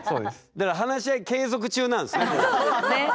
だから話し合い継続中なんですね。